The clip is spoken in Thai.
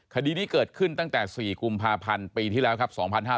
คดีนี้เกิดขึ้นตั้งแต่๔กุมภาพันธ์ปีที่แล้วครับ